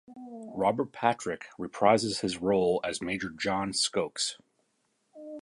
Robert Patrick reprises his role as Major John Skokes.